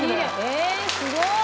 えっすごい！